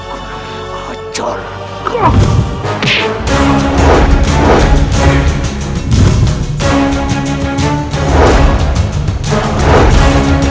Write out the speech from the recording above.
kau akan dicacau